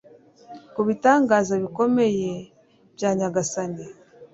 ku bitangaza bikomeye bya nyagasani